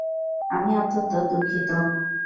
আমি অত্যন্ত দুঃখিত!